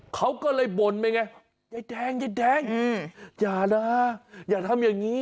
เขาก็เลยบ่นไปไงยายแดงยายแดงอย่านะอย่าทำอย่างนี้